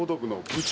部長！